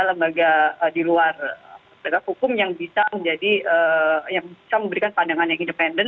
lembaga di luar penegak hukum yang bisa menjadi yang bisa memberikan pandangan yang independen